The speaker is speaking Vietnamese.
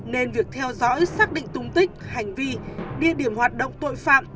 nên việc theo dõi xác định tung tích hành vi địa điểm hoạt động tội phạm